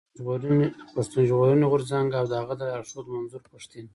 د پښتون ژغورني غورځنګ او د هغه د لارښود منظور پښتين.